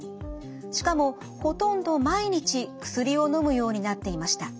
しかもほとんど毎日薬をのむようになっていました。